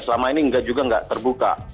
selama ini juga tidak terbuka